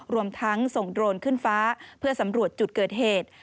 รวมทั้งส่งโดรนขึ้นฟ้าเพื่อสำรวจจุดเกิดเหตุ